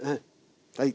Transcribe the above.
はい。